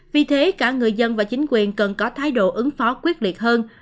vì thế cả người dân và chính quyền cần có thái độ ứng phó quyết liệt hơn